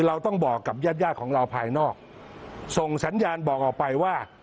เราต้องบอกกับญาติญาติของเราภายนอกส่งสัญญาณบอกออกไปว่า